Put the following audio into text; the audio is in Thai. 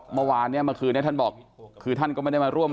เมื่อวานเนี่ยเมื่อคืนนี้ท่านบอกคือท่านก็ไม่ได้มาร่วม